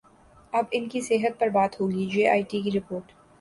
اب ان کی صحت پر بات ہوگی جے آئی ٹی کی رپورٹ